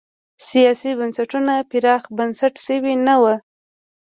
سیاسي بنسټونه پراخ بنسټه شوي نه وو.